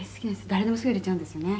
「誰でもすぐ入れちゃうんですよね